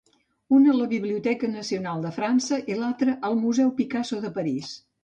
Un a la Biblioteca Nacional de França i l'altre al Museu Picasso de París.